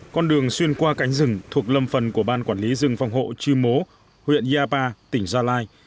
con đường xuyên qua cánh rừng thuộc lâm phần của ban quản lý rừng phòng hộ chư mố huyện yapa tỉnh gia lai